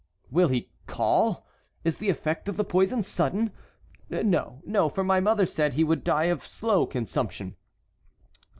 "Will he call? Is the effect of the poison sudden? No, no, for my mother said he would die of slow consumption."